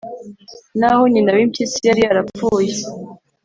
naho nyina w’impyisi yari yarapfuye.